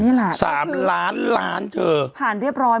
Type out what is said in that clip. นี่แหละสามล้านล้านเธอผ่านเรียบร้อย